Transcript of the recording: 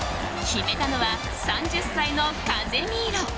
決めたのは３０歳のカゼミーロ。